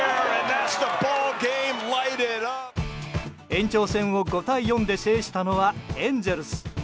延長戦を５対４で制したのはエンゼルス。